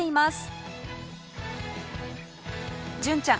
純ちゃん